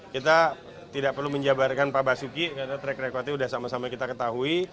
kita tidak perlu menjabarkan pak basuki karena track recordnya sudah sama sama kita ketahui